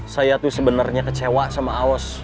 saya tuh sebenernya kecewa sama awos